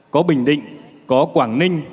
có bình định có quảng ninh